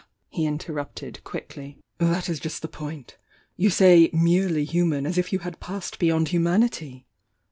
he interrupted quickly— "That is just the point. You say 'merely' human, as if you had passed beyond humanity!"